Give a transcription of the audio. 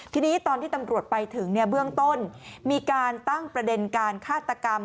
ทีนี้ตอนที่ตำรวจไปถึงเบื้องต้นมีการตั้งประเด็นการฆาตกรรม